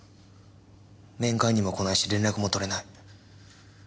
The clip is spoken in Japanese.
面会にも来ないし連絡も取れない。